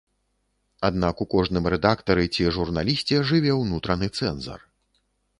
Аднак у кожным рэдактары ці журналісце жыве ўнутраны цэнзар.